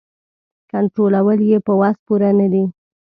کنټرولول یې په وس پوره نه دي.